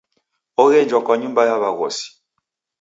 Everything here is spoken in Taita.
Oghenjwa kwa nyumba ya w'aghosi.